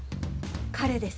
彼です。